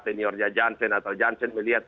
seniornya johnson atau johnson melihat